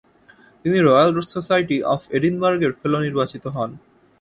তিনি Royal Society of এডিনবার্গ-এর fellow নির্বাচিত হন।